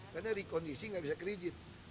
karena rekondisi nggak bisa kerijit